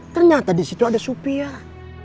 ternyata disitu ada supiah